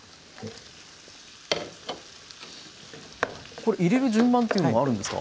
これ入れる順番っていうのはあるんですか？